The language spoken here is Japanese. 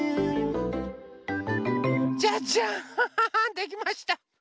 じゃじゃんできました！